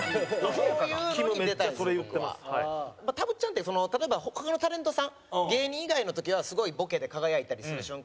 まあたぶっちゃんってその例えば他のタレントさん芸人以外の時はすごいボケで輝いたりする瞬間多いんですけど。